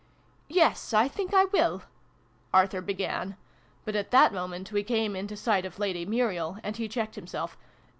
"Yes, I think I will," Arthur began ; but at that moment we came into sight of Lady Muriel, and he checked himself.